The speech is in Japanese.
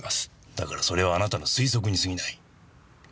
だからそれはあなたの推測にすぎない。